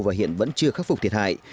và hiện vẫn chưa khắc phục thiệt hại